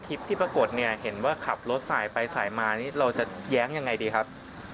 คลิปที่ปรากฏเห็นว่าขับรถสายไปสายมาเราจะแย้งอย่างไรดีครับ